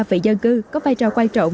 về dân cư có vai trò quan trọng